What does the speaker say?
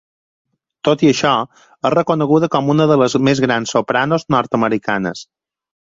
Tot i això, és reconeguda com una de les més grans sopranos nord-americanes.